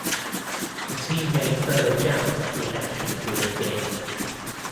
The team made further jabs at the election during the game.